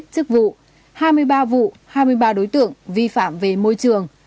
chức vụ hai mươi ba vụ hai mươi ba đối tượng vi phạm về môi trường